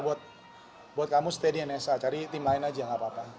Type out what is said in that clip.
jadi buat kamu stay di nsa cari tim lain aja gak apa apa